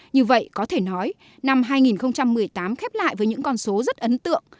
như vậy có thể nói năm hai nghìn một mươi tám khép lại với những con số rất ấn tượng